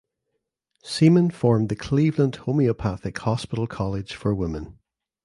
Seaman formed the Cleveland Homeopathic Hospital College for Women.